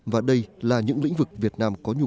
và đây là những lĩnh vực việt nam